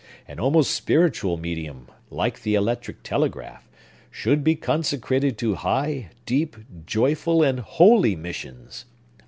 An almost spiritual medium, like the electric telegraph, should be consecrated to high, deep, joyful, and holy missions.